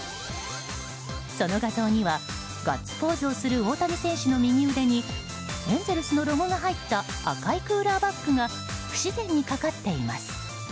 その画像にはガッツポーズをする大谷選手の右腕にエンゼルスのロゴが入った赤いクーラーバッグが不自然にかかっています。